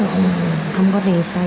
lực lượng công an tp quảng ngãi